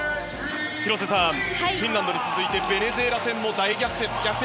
広瀬さん、フィンランドに続いてベネズエラ戦も大逆転。